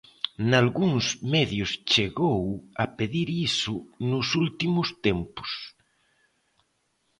Nalgúns medios chegou a pedirse iso nos últimos tempos.